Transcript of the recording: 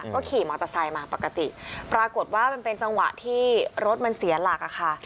ก็ขี่มอเตอร์ไซค์มาปกติปรากฏว่ามันเป็นจังหวะที่รถมันเสียหลักค่ะ